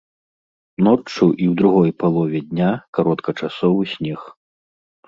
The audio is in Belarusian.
Ноччу і ў другой палове дня кароткачасовы снег.